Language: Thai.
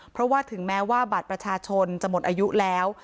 เพราะว่าถึงแม้ว่าบัตรประชาชนจะหมดอายุแล้ว